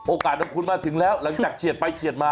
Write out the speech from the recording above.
ของคุณมาถึงแล้วหลังจากเฉียดไปเฉียดมา